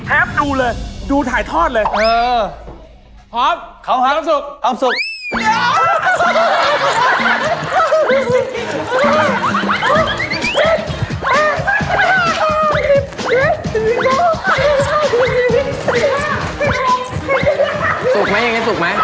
แพฟดูเลยดูถ่ายทอดเลย